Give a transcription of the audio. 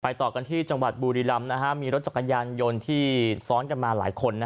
ต่อกันที่จังหวัดบุรีรำมีรถจักรยานยนต์ที่ซ้อนกันมาหลายคน